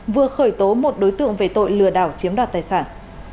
vừa khởi tố một đối tượng về tội lừa đảo chiếm đoạt tài sản